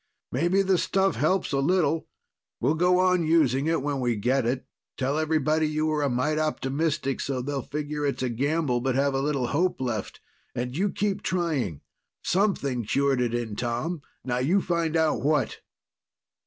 Maybe the stuff helps a little. We'll go on using it when we get it; tell everybody you were a mite optimistic, so they'll figure it's a gamble, but have a little hope left. And you keep trying. Something cured it in Tom. Now you find out what."